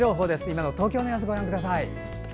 今の東京の様子ご覧ください。